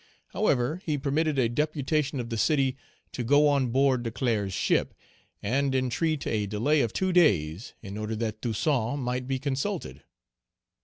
However, he permitted a deputation of the city to go on board Leclerc's ship, and entreat a delay of two days, in order that Toussaint might be consulted.